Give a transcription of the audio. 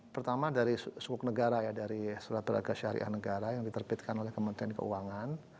pertama dari sukuk negara ya dari surat beraga syariah negara yang diterbitkan oleh kementerian keuangan